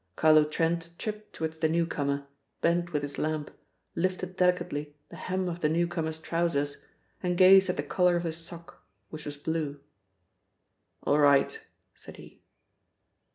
Carlo Trent tripped towards the newcomer, bent with his lamp, lifted delicately the hem of the newcomer's trousers, and gazed at the colour of his sock, which was blue. "All right!" said he.